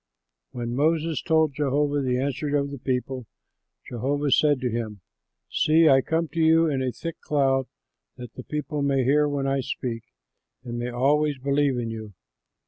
When Moses told Jehovah the answer of the people, Jehovah said to him, "See, I come to you in a thick cloud, that the people may hear when I speak and may always believe in you."